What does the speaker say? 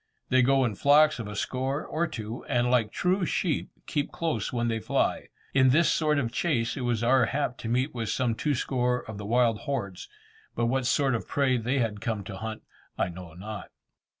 They go in flocks of a score, or two, and like true sheep, keep close when they fly. In this sort of chase it was our hap to meet with some two score of the wild hordes, but what sort of prey they had come to hunt I know not.